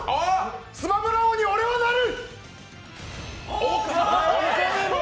スマブラ王に俺はなる！